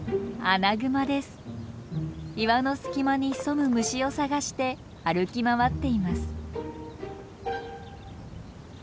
岩の隙間に潜む虫を探して歩き回っています。